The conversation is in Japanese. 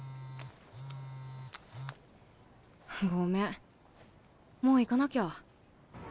タッごめんもう行かなきゃ。